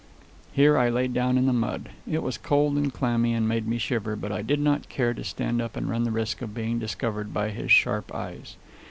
Here I lay down in the mud. It was cold and clammy, and made me shiver, but I did not care to stand up and run the risk of being discovered by his sharp eyes.